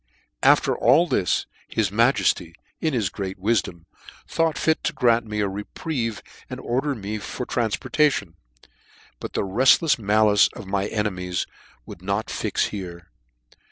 After all this, his Majefty, in his great wifdom, thought fit to grant me a reprieve, and ordered me for tranfportation ; but the refllefs malice of my enemies would not fix here.